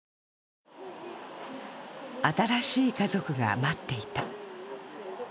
新しい家族が待っていた。